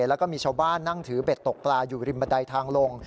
แล้วก็มีชาวบ้านนั่งถือเบ็ดตกปลาอยู่ริมบันไดทางลง